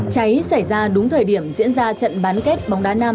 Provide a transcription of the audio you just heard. cháy xảy ra đúng thời điểm diễn ra trận bán kết bóng đá nam